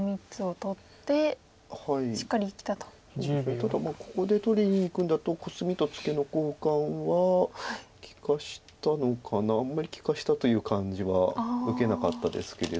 ただここで取りにいくんだとコスミとツケの交換は利かしたのかなあんまり利かしたという感じは受けなかったですけれど。